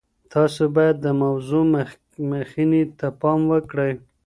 تاسو باید د موضوع مخینې ته پام وکړئ.